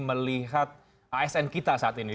melihat asn kita saat ini